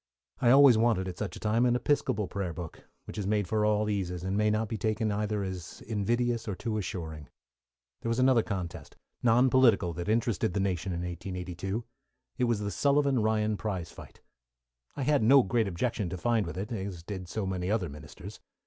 I always wanted, at such a time, an Episcopal prayer book, which is made for all eases, and may not be taken either as invidious or too assuring. There was another contest, non political, that interested the nation in 1882. It was the Sullivan Ryan prize fight. I had no great objection to find with it, as did so many other ministers.